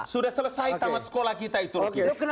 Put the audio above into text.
sudah selesai tamat sekolah kita itu rocky